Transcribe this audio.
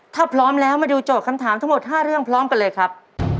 ถ้าพร้อมแล้วมาดูโจทย์คำถามทั้งหมด๕เรื่องพร้อมกันเลยครับ